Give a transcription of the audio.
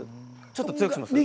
ちょっと強くします？